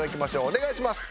お願いします。